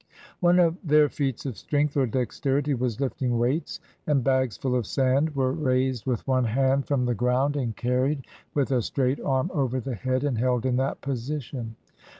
One of their feats of strength, or dexterity, was lifting weights; and bags full of sand were raised with one hand 27 EGYPT from the ground, and carried with a straight arm over the head, and held in that position.